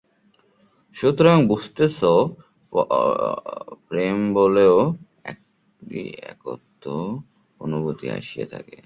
সুতরাং বুঝিতেছ, প্রেমবলেও এই একত্ব-অনুভূতি আসিয়া থাকে।